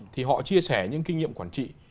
thì họ chia sẻ những kinh nghiệm quản trị